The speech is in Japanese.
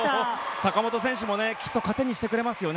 坂本選手もきっと糧にしてくれますよね